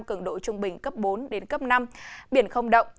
cường độ trung bình cấp bốn đến cấp năm biển không động